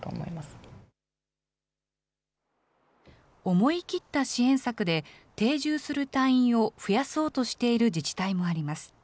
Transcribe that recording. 思い切った支援策で、定住する隊員を増やそうとしている自治体もあります。